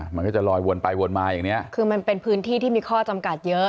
มันก็จะลอยวนไปวนมาอย่างเนี้ยคือมันเป็นพื้นที่ที่มีข้อจำกัดเยอะ